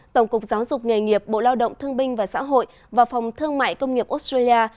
tổng cục giáo dục nghề nghiệp bộ lao động thương binh và xã hội và phòng thương mại công nghiệp australia